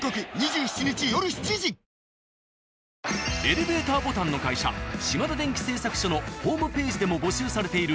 エレベーターボタンの会社「島田電機製作所」のホームページでも募集されている